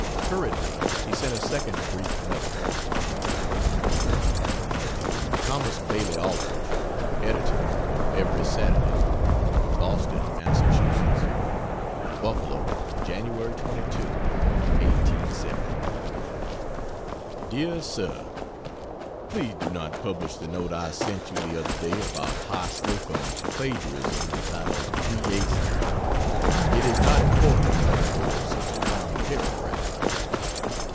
Hurriedly he sent a second brief note. To Thomas Bailey Aldrich, editor of "Every Saturday," Boston, Massachusetts: BUFFALO, Jan. 22, 1870. DEAR SIR, Please do not publish the note I sent you the other day about "Hy. Slocum's" plagiarism entitled "Three Aces" it is not important enough for such a long paragraph.